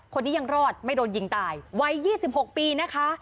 คนนี้ยังรอดไม่โดนยิงตายวัย๒๖ปีนะคะ